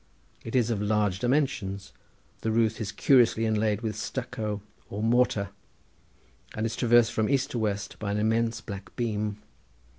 It is of large dimensions. The roof is curiously inlaid with stucco or mortar, and is traversed from east to west by an immense black beam.